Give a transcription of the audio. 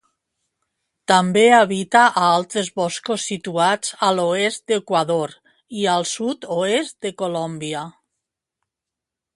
També habita a altres boscos situats a l'oest d'Equador i al sud-oest de Colòmbia.